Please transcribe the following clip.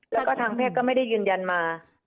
แล้วก็ทางแพทย์ก็ไม่ได้ยืนยันมา